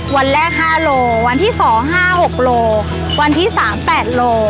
วันแรก๕โลวันที่๒๕๖โลวันที่๓๘โล